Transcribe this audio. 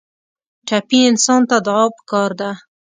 ټپي انسان ته دعا پکار ده.